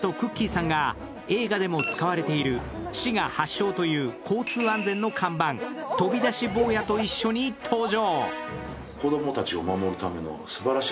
さんが映画でも使われている滋賀発祥という交通安全の看板、飛び出し坊やと一緒に登場。